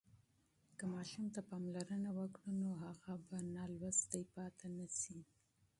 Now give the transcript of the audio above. که ماشوم ته پاملرنه وکړو، نو هغه به بېسواده پاتې نه سي.